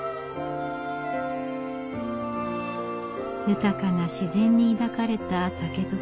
豊かな自然に抱かれた竹所。